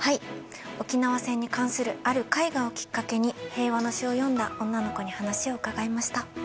沖縄戦に関するある絵画をきっかけに平和の詩を読んだ女の子に話を伺いました。